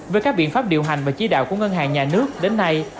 về các biện pháp điều hành và chí đạo của ngân hàng nhà nước đến nay